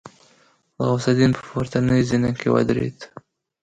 غوث الدين په پورتنۍ زينه کې ودرېد.